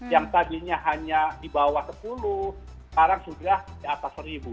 yang tadinya hanya di bawah sepuluh sekarang sudah di atas seribu